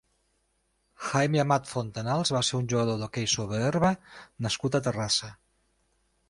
Jaime Amat Fontanals va ser un jugador d'hoquei sobre herba nascut a Terrassa.